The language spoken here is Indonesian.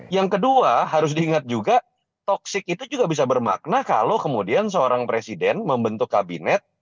yang kedua harus diingat juga toksik itu juga bisa bermakna kalau kemudian seorang presiden membentuk kabinet